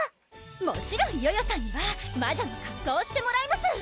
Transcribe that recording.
もちろんヨヨさんには魔女の格好をしてもらいます